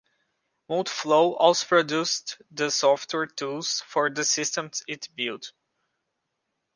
Multiflow also produced the software tools for the systems it built.